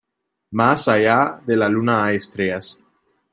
Más allá de la luna hay estrellas.